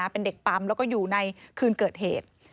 เป็นเด็กปั๊มแล้วก็อยู่ในคืนเกิดเหตุ